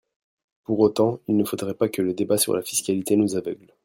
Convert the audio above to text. Pour autant, il ne faudrait pas que le débat sur la fiscalité nous aveugle.